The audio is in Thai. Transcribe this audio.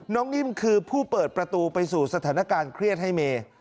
นิ่มคือผู้เปิดประตูไปสู่สถานการณ์เครียดให้เมย์